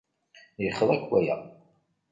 Yexḍa-k waya.